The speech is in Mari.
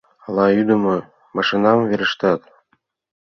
Ала ӱдымӧ машинам верештат.